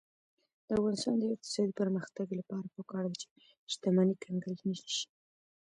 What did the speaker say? د افغانستان د اقتصادي پرمختګ لپاره پکار ده چې شتمني کنګل نشي.